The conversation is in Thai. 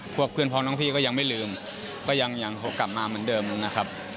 เพื่อนพร้อมน้องพี่ก็ยังไม่ลืมก็ยังกลับมาเหมือนเดิมนะครับ